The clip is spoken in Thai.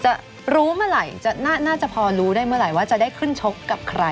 จะรู้เมื่อไหร่น่าจะพอรู้ได้เมื่อไหร่ว่าจะได้ขึ้นชกกับใคร